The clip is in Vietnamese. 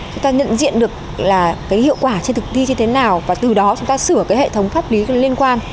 chúng ta nhận diện được là cái hiệu quả trên thực thi như thế nào và từ đó chúng ta sửa cái hệ thống pháp lý liên quan